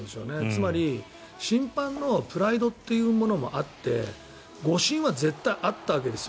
つまり、審判のプライドというものもあって誤審は絶対あったわけです。